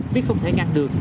biết không thể ngăn được